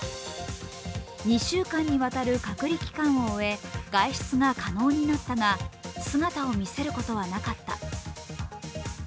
２週間にわたる隔離期間を終え、外出が可能になったが、姿を見せることはなかった。